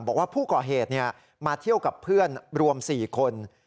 บอกว่าผู้ก่อเหตุมาเที่ยวกับเพื่อนรวม๔คน